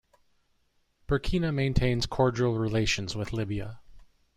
Burkina maintains cordial relations with Libya.